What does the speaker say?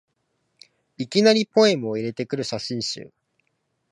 いきなりポエムを入れてくる写真集